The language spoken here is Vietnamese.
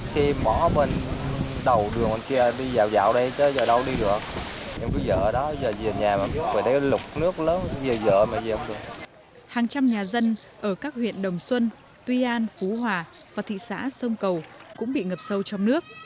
hàng trăm nhà dân ở các huyện đồng xuân tuy an phú hòa và thị xã sông cầu cũng bị ngập sâu trong nước